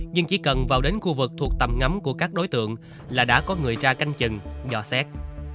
nhưng chỉ cần vào đến khu vực thuộc tầm ngắm của các đối tượng là đã có người ra canh chừng giò xét